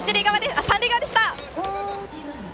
三塁側でした！